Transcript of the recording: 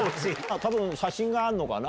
写真があるのかな。